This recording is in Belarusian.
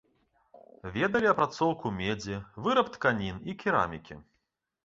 Ведалі апрацоўку медзі, выраб тканін і керамікі.